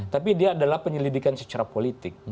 tapi dia adalah penyelidikan secara politik